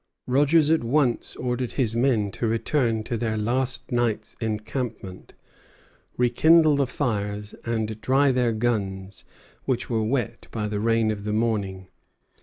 Rogers at once ordered his men to return to their last night's encampment, rekindle the fires, and dry their guns, which were wet by the rain of the morning.